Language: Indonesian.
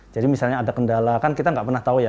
jadi misalnya ada kendala kan kita nggak pernah tahu ya